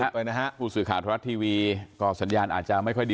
ไปนะฮะผู้สื่อข่าวธรรมรัฐทีวีก็สัญญาณอาจจะไม่ค่อยดี